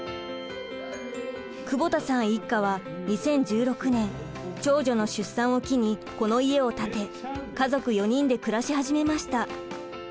久保田さん一家は２０１６年長女の出産を機にこの家を建て家族４人で暮らし始めました。